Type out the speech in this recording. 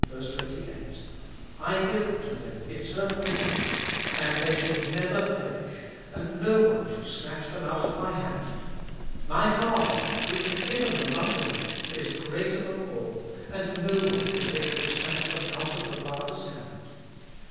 28) : "I give unto them eternal life ; and they shall never perish, and no one shall snatch them out of my hand. My Father, which hath given them unto me, is greater than all ; and no one is able to snatch them out of the Father's hand."